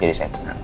jadi saya tenang